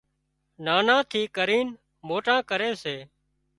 نانان ٿي ڪرينَ موٽان ڪري سي